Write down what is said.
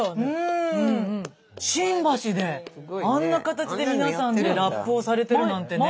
新橋であんな形で皆さんでラップをされてるなんてね。